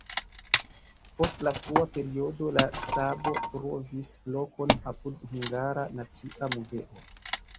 Post la frua periodo la stabo trovis lokon apud Hungara Nacia Muzeo.